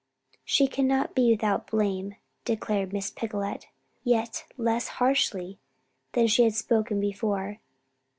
"She cannot be without blame," declared Miss Picolet, yet less harshly than she had spoken before.